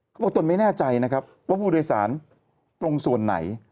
บอกตนไม่แน่ใจนะครับว่าผู้โดยสารตรงส่วนไหน